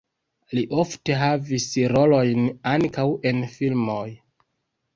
Li ofte havis rolojn ankaŭ en filmoj.